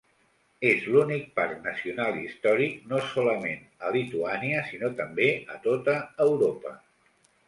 És l'únic parc nacional històric no solament a Lituània, sinó també a tota Europa.